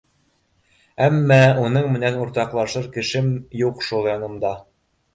Әммә уның менән уртаҡлашыр кешем юҡ шул янымда.